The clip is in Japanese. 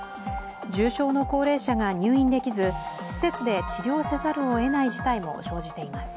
重症の高齢者が入院できず、施設で治療せざるをえない事態が生じています。